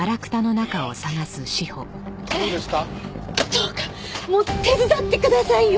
どうかもう手伝ってくださいよ！